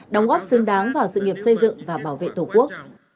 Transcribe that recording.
đóng góp xứng đáng vào sự nghiệp xây dựng và bảo vệ tổ quốc